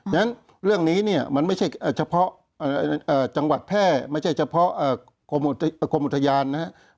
ฉะนั้นเรื่องนี้เนี่ยมันไม่ใช่เฉพาะจังหวัดแพร่ไม่ใช่เฉพาะกรมอุทยานนะครับ